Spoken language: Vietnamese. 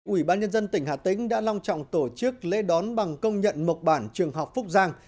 ủy ban nhân dân tỉnh hà tĩnh đã long trọng tổ chức lễ đón bằng công nhận mộc bản trường học phúc giang